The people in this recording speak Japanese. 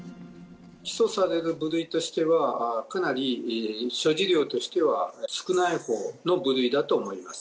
起訴される部類としては、かなり所持量としては少ないほうの部類だと思います。